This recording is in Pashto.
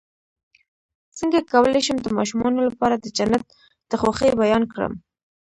څنګه کولی شم د ماشومانو لپاره د جنت د خوښۍ بیان کړم